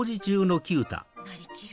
なりきる。